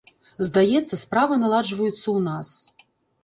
Здаецца, справы наладжваюцца ў нас.